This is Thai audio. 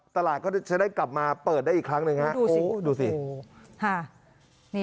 ตลาดก็จะได้กลับมาเปิดได้อีกครั้งหนึ่งฮะดูสิ